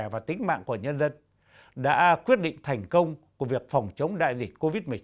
và tính mạng của nhân dân đã quyết định thành công của việc phòng chống đại dịch covid một mươi chín